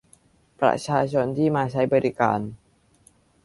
ประชาชนที่มาใช้บริการ